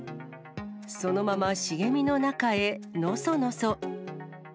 そのまま茂みの中へのそのそ。